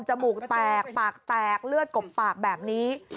มูกแตกปากแตกเลือดกบปากแบบนี้